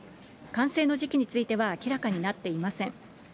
完成の時期については明らかになっていません。